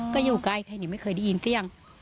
ก็อยู่ใกล้ไม่เคยได้ยินเตี้ยง